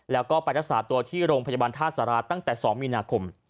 แล้วก็ไปรักษาตัวที่โรงพยาบาลท่าสาราตั้งแต่๒มีนาคม